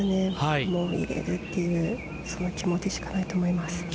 もう入れるというその気持ちしかないと思います。